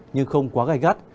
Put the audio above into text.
nhưng không quá gai gắt